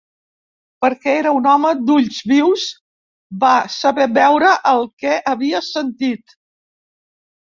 Perquè era un home d'ulls vius, va saber veure el que havia sentit.